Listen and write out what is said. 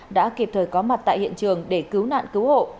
đã kịp thời có mặt tại hiện trường để cứu nạn cứu hộ